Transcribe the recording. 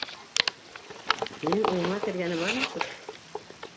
Һинең уйыңа кергәне бармы шул?